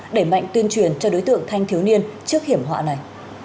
đẩy mạnh tuyên truyền cho đối tượng thanh thiếu niên trước hiểm họa này